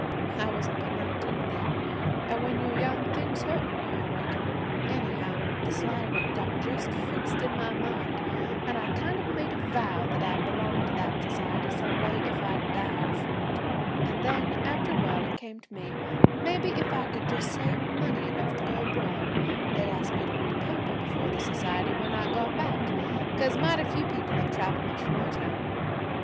I wasn't but nineteen then, an' when you're young things hurt more, I reckon. Anyhow the slight of it got just fixed in my mind, an' I made a kind of a vow that I'd belong to that society some day if I died for it. And then, after a while it came to me, maybe if I could just save money enough to go abroad, they'd ask me to read a paper before the society when I got back, 'cause mighty few people have traveled much from our town.